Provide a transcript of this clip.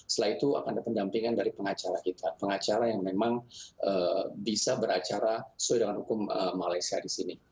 setelah itu akan ada pendampingan dari pengacara kita pengacara yang memang bisa beracara sesuai dengan hukum malaysia di sini